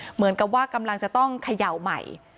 เหมือนกับว่ากำลังจะต้องเขย่าใหม่